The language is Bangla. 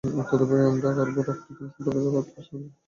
অকুতোভয়ে, আমরা করবো রক্তপান শত্রুদের ক্ষতস্থান থেকে।